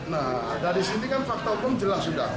nah dari sini kan fakta hukum jelas sudah